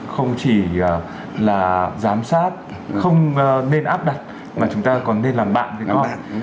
không chỉ là giám sát không nên áp đặt mà chúng ta còn nên làm bạn với con